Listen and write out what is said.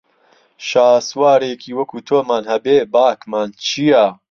شاسوارێکی وەکوو تۆمان هەبێ باکمان چییە